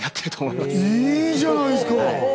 いいじゃないですか！